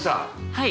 はい。